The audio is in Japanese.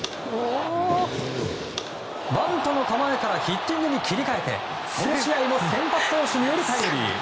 バントの構えからヒッティングに切り替えてこの試合も先発投手にタイムリー。